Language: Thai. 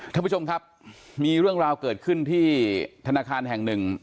ท่านผู้ชมครับมีเรื่องราวเกิดขึ้นที่ธนาคารแห่งหนึ่ง